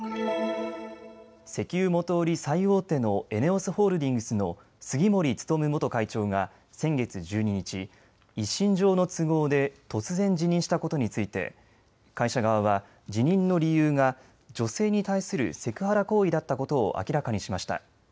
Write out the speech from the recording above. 石油元売り最大手のＥＮＥＯＳホールディングスの杉森務元会長が先月１２日、一身上の都合で突然辞任したことについて、会社側は辞任の理由が女性に対するセクハラ行為だったことを明らかにしました。